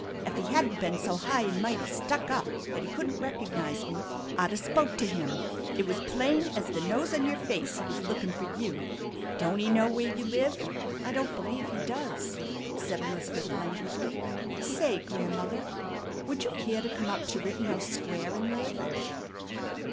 Ef he hadn't been so high an' mighty stuck up that he couldn't recognize me, I'd 'a' spoke to him. It was plain ez the nose on your face he was lookin' fer you. Don't he know where you live?" "I don't believe he does," said Elizabeth languidly. "Say, grandmother, would you care to come up to Rittenhouse Square and live?"